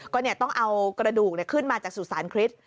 ก็ต้องเอากระดูกขึ้นมาจากสุสานคริสต์